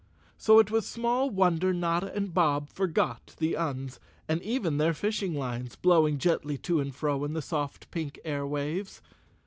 So it was small wonder Notta and Bob forgot the Uns, and even their fishing lines, blowing gently to and fro in the soft pink air waves.